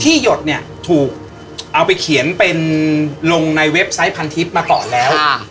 ที่หยดเนี้ยถูกเอาไปเขียนเป็นลงในเว็บไซต์พันทิศมาต่อแล้วค่ะ